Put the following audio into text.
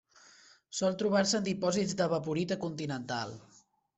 Sol trobar-se en dipòsits d'evaporita continental.